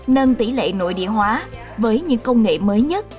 nâng tỷ lệ nội địa hóa với những công nghệ mới nhất